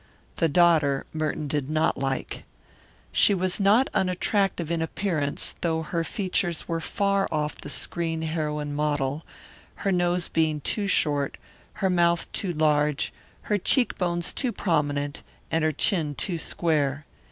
The daughter Merton did not like. She was not unattractive in appearance, though her features were far off the screen heroine model, her nose being too short, her mouth too large, her cheekbones too prominent, and her chin too square.